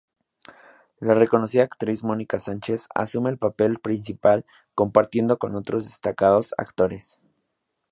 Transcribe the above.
La reconocida actriz, Mónica Sánchez, asume el papel principal, compartiendo con otros destacados actores.